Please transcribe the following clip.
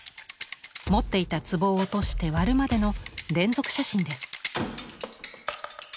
持っていた壷を落として割るまでの連続写真です。